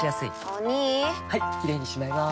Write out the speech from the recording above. お兄はいキレイにしまいます！